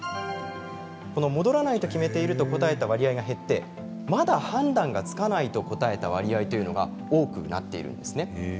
戻らないと決めているという答えが減って、まだ判断がつかないという答えの割合が多くなっているんです。